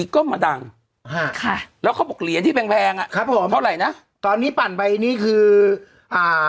ก็มาดังฮะค่ะแล้วเขาบอกเหรียญที่แพงแพงอ่ะครับผมเท่าไหร่นะตอนนี้ปั่นไปนี่คืออ่า